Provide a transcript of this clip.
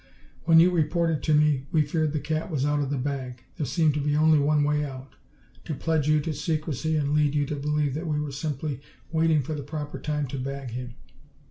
When you reported to me, we feared the cat was out of the bag. There seemed to be only one way out to pledge you to secrecy and lead you to believe that we were simply waiting for the proper time to bag him.